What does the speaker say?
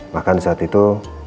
bahkan saat itu